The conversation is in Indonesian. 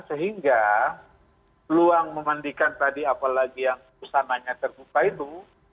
sehingga peluang memandikan tadi apalagi yang busananya terbuka itu